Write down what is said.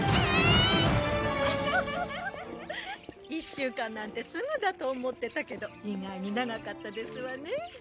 １週間なんてすぐだと思ってたけど意外に長かったですわね。